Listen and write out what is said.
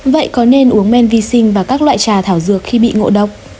vậy có nên uống men vi sinh và các loại trà thảo dược khi bị ngộ độc